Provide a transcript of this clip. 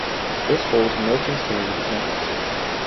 This holds Milton's Community Campus.